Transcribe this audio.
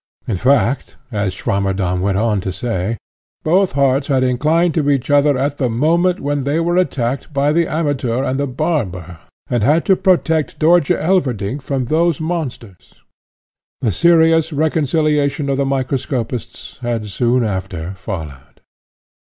In fact, as Swammerdamm went on to say, both hearts had inclined to each other at the moment when they were attacked by the Amateur and the barber and had to protect Dörtje Elverdink from those monsters. The serious reconciliation of the microscopists had soon after followed.